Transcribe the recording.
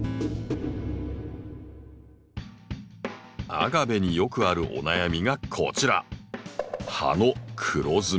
アガベによくあるお悩みがこちら。